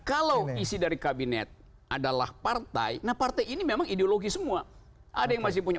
kalau isi dari kabinet adalah partai nah partai ini memang ideologi semua ada yang masih punya